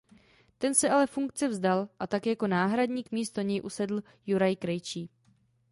Ten se ale funkce vzdal a tak jako náhradník místo něj usedl Juraj Krejčí.